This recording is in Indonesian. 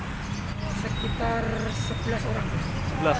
sekitar sebelas orang